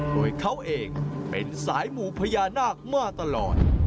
โดยเขาเองเป็นสายหมู่พญานาคมาตลอด